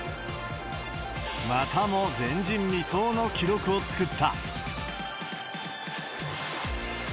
またも前人未到の記録を作った。